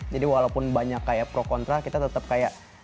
jadi walaupun banyak kayak pro kontra kita tetep kayak